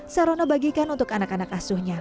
sarono bagikan untuk anak anak asuhnya